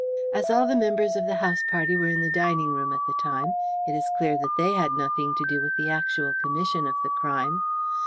"As all the members of the house party were in the dining room at the time, it is clear that they had nothing to do with the actual commission of the crime.